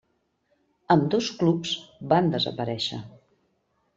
Ambdós clubs van desaparèixer.